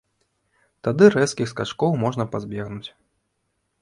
Тады рэзкіх скачкоў можна пазбегнуць.